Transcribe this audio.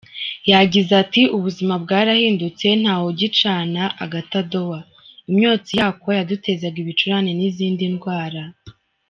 Yagize ati“Ubuzima bwarahindutse, ntawe ugicana agatadowa, imyotsi yako yadutezaga ibicurane n’izindi ndwara.